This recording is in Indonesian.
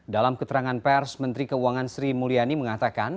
dalam keterangan pers menteri keuangan sri mulyani mengatakan